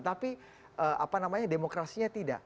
tapi demokrasinya tidak